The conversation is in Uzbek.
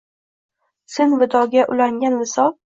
Sen vidoga ulangan visol